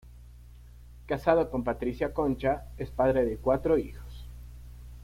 Casado con Patricia Concha, es padre de cuatro hijos.